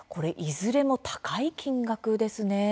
いずれも高い金額ですね。